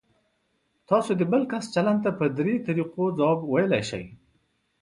تاسو د بل کس چلند ته په درې طریقو ځواب ویلی شئ.